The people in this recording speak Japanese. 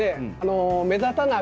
目立たなあ